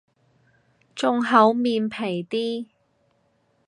仲厚面皮啲